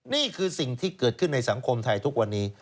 นี่คือสิ่งที่เกิดขึ้นในสังคมไทยทุกวันนี้